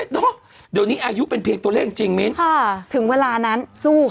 เนอะเดี๋ยวนี้อายุเป็นเพียงตัวเลขจริงมิ้นค่ะถึงเวลานั้นสู้ค่ะ